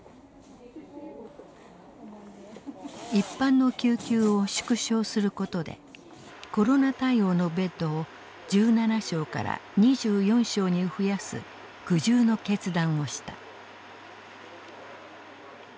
一般の救急を縮小することでコロナ対応のベッドを１７床から２４床に増やす苦渋の決断をした。